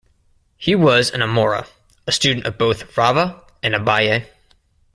He was an Amora; a student of both Rava and Abaye.